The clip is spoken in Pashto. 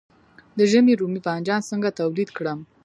د ژمي رومي بانجان څنګه تولید کړم؟